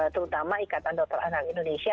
terutama ikatan dokter anak indonesia